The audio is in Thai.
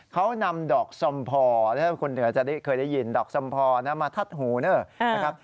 เขานำดอกสมพอถ้าคนเหนือจะเคยได้ยินดอกสมพอนะมาทัดหูนะครับ